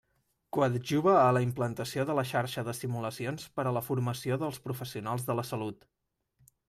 Coadjuva a la implantació de la xarxa de simulacions per a la formació dels professionals de la salut.